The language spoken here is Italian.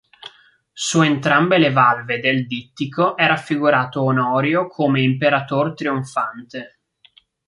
Su entrambe le valve del dittico è raffigurato Onorio come "imperator" trionfante.